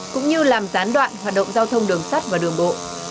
cũng như làm gián đoạn hoạt động giao thông đường sắt và đường bộ